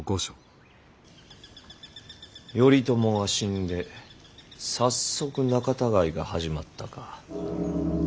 頼朝が死んで早速仲たがいが始まったか。